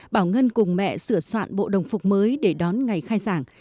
bảo ngân cùng mẹ sửa soạn bộ đồng phục mới để đón ngày khai giảng